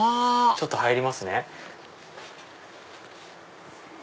ちょっと入りますね。